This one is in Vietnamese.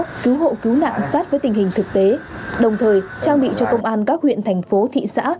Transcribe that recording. cứu hộ cứu nạn sát với tình hình thực tế đồng thời trang bị cho công an các huyện thành phố thị xã